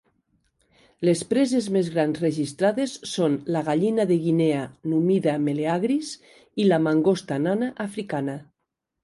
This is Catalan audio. Les preses més grans registrades són la gallina de Guinea "Numida meleagris" i la mangosta nana africana.